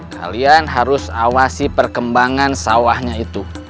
kalian harus awasi perkembangan sawahnya itu